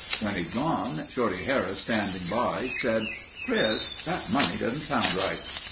When he'd gone, Shorty Harris standing by said: "Chris, that money doesn't sound right."